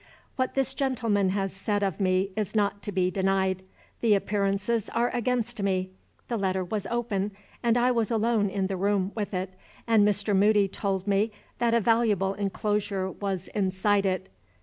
What this gentleman has said of me is not to be denied the appearances are against me. The letter was open, and I was alone in the room with it, and Mr. Moody told me that a valuable inclosure was inside it.